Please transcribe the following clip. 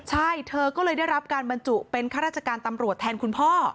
ใช่เธอก็เลยได้รับการบรรจุเป็นข้าราชการตำรวจแทนคุณพ่อ